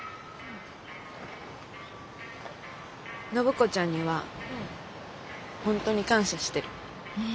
暢子ちゃんには本当に感謝してる。